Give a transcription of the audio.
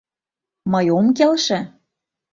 Мый ом келше.